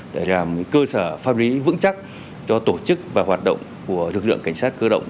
để làm cơ sở pháp lý vững chắc cho tổ chức và hoạt động của lực lượng cảnh sát cơ động